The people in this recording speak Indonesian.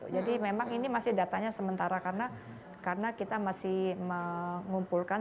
jadi memang ini masih datanya sementara karena kita masih mengumpulkan